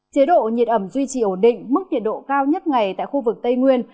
chế độ nhiệt ẩm duy trì ổn định mức nhiệt độ cao nhất ngày tại khu vực tây nguyên